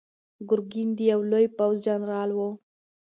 ګرګین د یوه لوی پوځ جنرال و.